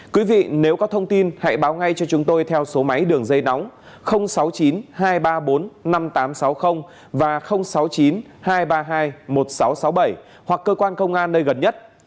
quý vị nếu có thông tin hãy báo ngay cho chúng tôi theo số máy đường dây nóng sáu mươi chín hai trăm ba mươi bốn năm nghìn tám trăm sáu mươi và sáu mươi chín hai trăm ba mươi hai một nghìn sáu trăm sáu mươi bảy hoặc cơ quan công an nơi gần nhất